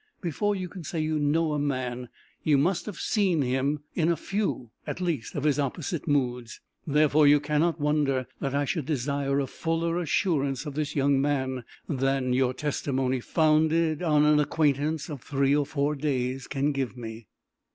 Before you can say you know a man, you must have seen him in a few at least of his opposite moods. Therefore you cannot wonder that I should desire a fuller assurance of this young man, than your testimony, founded on an acquaintance of three or four days, can give me."